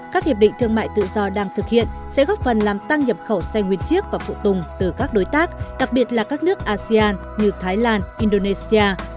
các hiệp định thương mại tự do đang thực hiện sẽ góp phần làm tăng nhập khẩu xe nguyên chiếc và phụ tùng từ các đối tác đặc biệt là các nước asean như thái lan indonesia